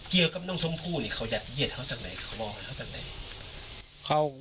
เกี่ยวกับน้องสมพูนี่เขายัดเยียดเขาจากไหนเขาบอก